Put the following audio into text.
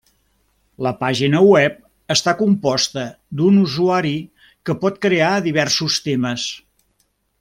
La pàgina web està composta d'un usuari que pot crear diversos temes.